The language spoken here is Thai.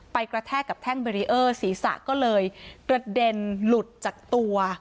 กระแทกกับแท่งเบรีเออร์ศีรษะก็เลยกระเด็นหลุดจากตัว